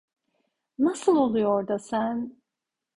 Nasıl oluyor da sen…